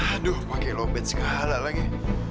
aduh pakai lombet sekali lagi